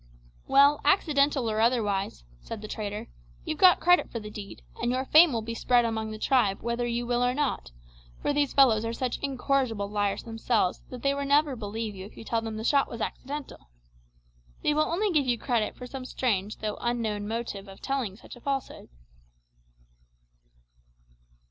'" "Well, accidental or otherwise," said the trader, "you've got credit for the deed, and your fame will be spread among the tribe whether you will or not; for these fellows are such incorrigible liars themselves that they will never believe you if you tell them the shot was accidental. They will only give you credit for some strange though unknown motive in telling such a falsehood."